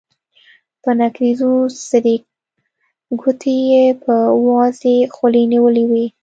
په نکريزو سرې ګوتې يې په وازې خولې نيولې وې.